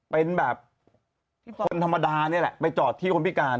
เป็นแบบคนธรรมดานี่แหละไปจอดที่คนพิการ